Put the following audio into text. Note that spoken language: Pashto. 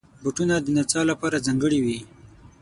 بوټونه د نڅا لپاره ځانګړي وي.